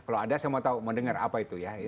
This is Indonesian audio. kalau ada saya mau dengar apa itu ya